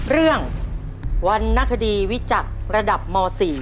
เรื่องวรรณคดีวิจักษ์ระดับม๔